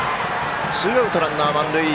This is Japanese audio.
ツーアウト、ランナー満塁。